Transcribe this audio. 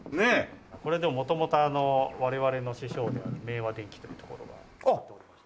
これでも元々我々の師匠である明和電機というところが使っておりまして。